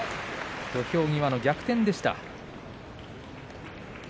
土俵際逆転でした。